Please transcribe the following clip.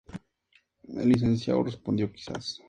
El licenciado respondió: "Quizás".